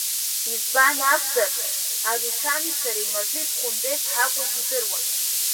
Избан акәзар, Арушьани сареи маҳәи-бхәындеи шҳакәыз идыруан.